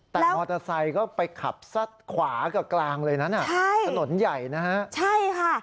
แต่มอเตอร์ไซค์ก็ไปขับซัดขวากับกลางเลยนั้นอ่ะใช่ถนนใหญ่นะฮะใช่ค่ะ